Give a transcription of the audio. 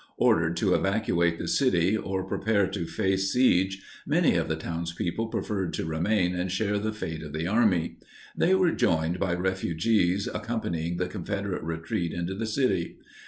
Ordered to evacuate the city or prepare to face siege, many of the townspeople preferred to remain and share the fate of the army. They were joined by refugees accompanying the Confederate retreat into the city.